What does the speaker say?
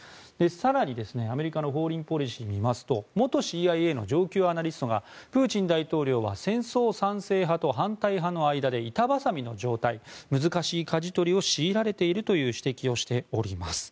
更にアメリカの「フォーリン・ポリシー」を見ますと元ＣＩＡの上級アナリストがプーチン大統領は戦争賛成派と反対派の間で板挟みの状態難しいかじ取りを強いられていると指摘をしております。